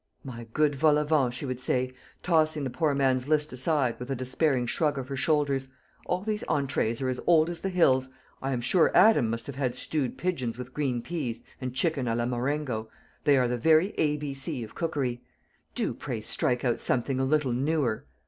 "My good Volavent," she would say, tossing the poor man's list aside, with a despairing shrug of her shoulders, "all these entrees are as old as the hills. I am sure Adam must have had stewed pigeons with green peas, and chicken à la Marengo they are the very ABC of cookery. Do, pray, strike out something a little newer.